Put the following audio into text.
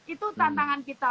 itu tantangan kita